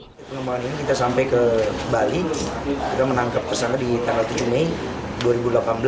dari pengembangan ini kita sampai ke bali kita menangkap tersangka di tanggal tujuh mei dua ribu delapan belas